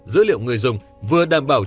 dữ liệu người dùng vừa đảm bảo